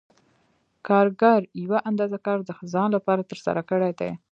کارګر یوه اندازه کار د ځان لپاره ترسره کړی دی